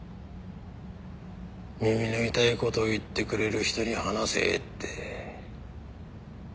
耳の痛い事言ってくれる人に話せって。